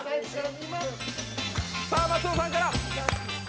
さあ松尾さんから。